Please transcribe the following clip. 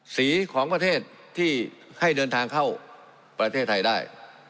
สีของประเทศที่ให้เดินทางเข้าประเทศไทยได้